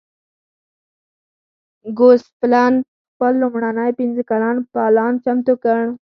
ګوسپلن خپل لومړنی پنځه کلن پلان چمتو کړ